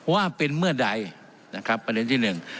ว่าเป็นเมื่อใดนะครับประเด็นที่หนึ่ง